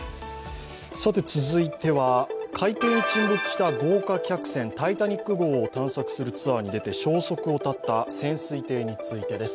続いては海底に沈没した豪華客船「タイタニック」号を探索するツアーに出て消息を絶った潜水艇についてです。